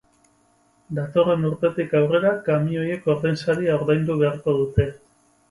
Datorren urtetik aurrera kamioiek ordainsaria ordaindu beharko dute.